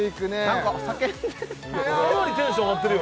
何か叫んでかなりテンション上がってるよ